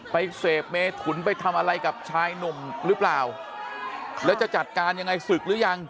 ไปเสพเมถุนไปทำอะไรกับชายหนุ่มหรือเปล่าแล้วจะจัดการยังไงศึกหรือยัง